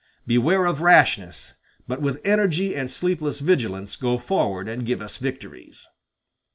Beware of rashness, but with energy and sleepless vigilance go forward and give us victories."